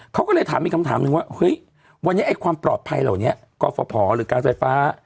เขาก็เลยถามอีกคำถามหนึ่งว่าเฮ้ยวันนี้ไอ้ความปลอดภัยเหล่านี้กรฟภหรือการไฟฟ้า